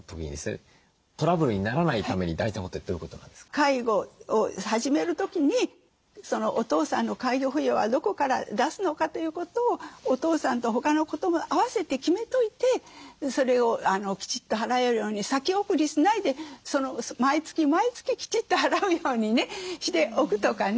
介護を始める時にお父さんの介護費用はどこから出すのかということをお父さんと他のことも併せて決めといてそれをきちっと払えるように先送りしないで毎月毎月きちっと払うようにねしておくとかね。